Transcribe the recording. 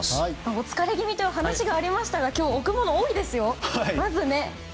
お疲れ気味というお話がありましたが今日は置くものが多いですよ。